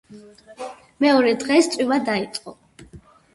მეორე დღეს წვიმა დაიწყო.